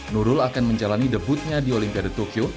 nurul akan menjalani debutnya di olimpiade tokyo